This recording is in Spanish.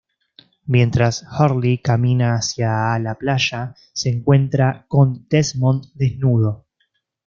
Mientras Hurley camina hacia a la playa se encuentra con Desmond desnudo.